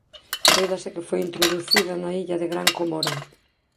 Cóidase que foi introducida na illa de Gran Comora.